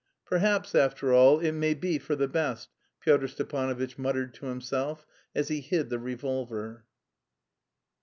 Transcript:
"Perhaps, after all, it may be for the best," Pyotr Stepanovitch muttered to himself as he hid the revolver.